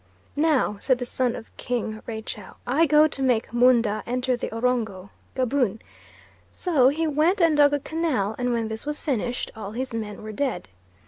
"'Now,' said the son of King Raychow, 'I go to make Moondah enter the Orongo' (Gaboon); so he went and dug a canal and when this was finished all his men were dead.